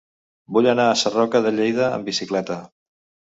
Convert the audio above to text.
Vull anar a Sarroca de Lleida amb bicicleta.